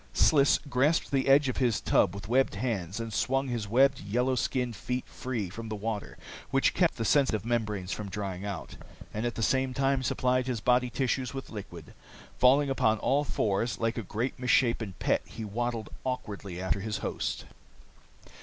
Sliss grasped the edge of his tub with webbed hands and swung his webbed, yellow skinned feet free from the water which kept the sensitive membranes from drying, and at the same time supplied his body tissues with liquid. Falling upon all fours, like a great, misshapen pet, he waddled awkwardly after his host.